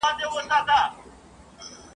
له باده سره الوزي پیمان په باور نه دی ..